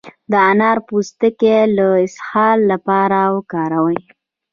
د انار پوستکی د اسهال لپاره وکاروئ